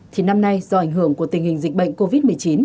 thì năm nay do ảnh hưởng của tình hình dịch bệnh covid một mươi chín